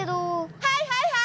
はいはいはい！